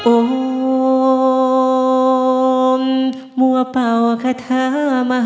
โอ้มมัวเป่าขทะมหาลัย